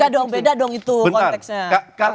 iya dong beda dong itu konteksnya